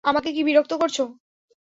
আমাকে কি বিরক্ত করছ?